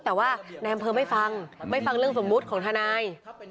แต่ว่าแนมเพลิงไม่ฟังไม่ฟังเรื่องสมมุติของธนาย